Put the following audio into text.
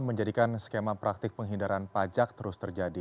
menjadikan skema praktik penghindaran pajak terus terjadi